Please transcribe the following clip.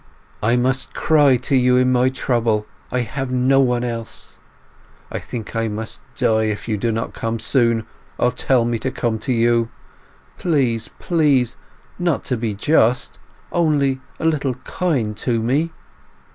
...I must cry to you in my trouble—I have no one else!... I think I must die if you do not come soon, or tell me to come to you... please, please, not to be just—only a little kind to me....